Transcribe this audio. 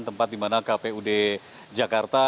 tempat dimana kpu dki jakarta